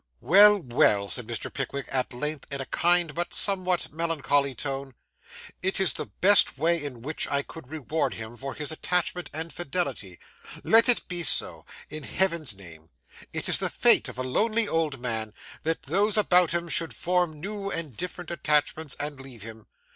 'Well, well,' said Mr. Pickwick, at length in a kind but somewhat melancholy tone, 'it is the best way in which I could reward him for his attachment and fidelity; let it be so, in Heaven's name. It is the fate of a lonely old man, that those about him should form new and different attachments and leave him.